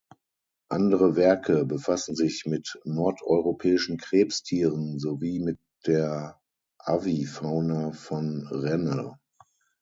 Andere Werke befassen sich mit nordeuropäischen Krebstieren sowie mit der Avifauna von Rennell.